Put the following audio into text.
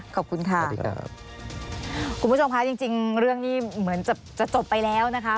ขอบคุณค่ะคุณผู้ชมค่ะจริงจริงเรื่องนี้เหมือนจะจบไปแล้วนะคะ